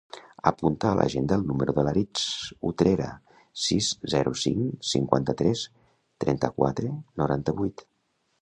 Apunta a l'agenda el número de l'Aritz Utrera: sis, zero, cinc, cinquanta-tres, trenta-quatre, noranta-vuit.